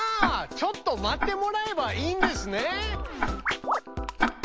ちょっと待ってもらえばいいんですね！